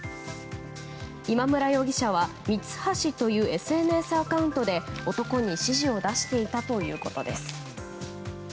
今村容疑者はミツハシというＳＮＳアカウントで男に指示を出していたということです。